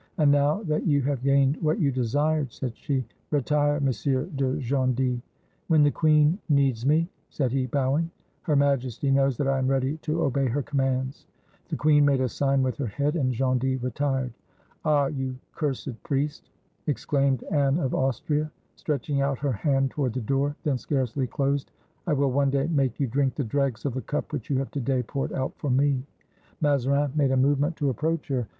"And now that you have gained what you desired," said she, "retire, M. de Gondy." "When the queen needs me," said he, bowing, "Her Majesty knows that I am ready to obey her commands." The queen made a sign with her head, and Gondy retired. "Ah, you cursed priest!" exclaimed Anne of Austria, stretching out her hand toward the door, then scarcely closed, "I will one day make you drink the dregs of the cup which you have to day poured out for me." Mazarin made a movement to approach her.